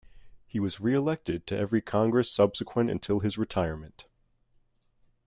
He was re-elected to every Congress subsequent until his retirement.